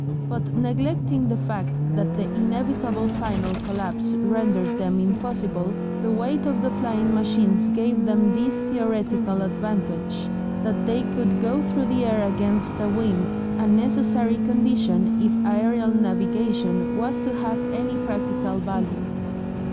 But, neglecting the fact that the inevitable final collapse rendered them impossible, the weight of the flying machines gave them this theoretical advantage, that they could go through the air against a wind, a necessary condition if aerial navigation was to have any practical value.